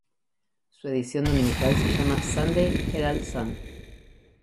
Su edición dominical se llama "Sunday Herald Sun".